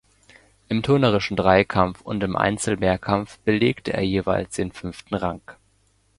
Im Turnerischen Dreikampf und im Einzelmehrkampf belegte er jeweils den fünften Rang.